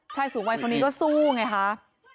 ชายสูงวัยต้องซุ่ไงค่ะ